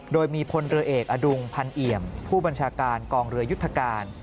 โดยมีพลเรือเอกอดุงพันเอี่ยมผู้บัญชาการกองเรือยุทธการ